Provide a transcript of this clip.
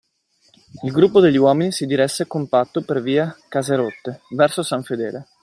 Il gruppo degli uomini si diresse compatto per via Caserotte, verso San Fedele.